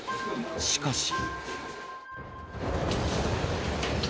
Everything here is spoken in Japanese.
しかし。